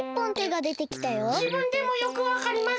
じぶんでもよくわかりません。